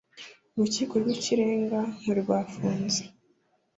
urukiko rw ikirenga kwerwafunze